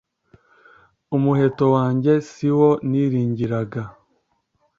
Umuheto wanjye si wo niringiraga